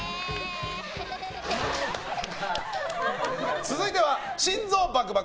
続いては心臓バクバク！